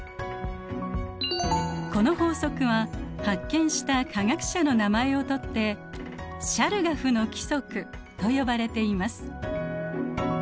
この法則は発見した科学者の名前をとってシャルガフの規則と呼ばれています。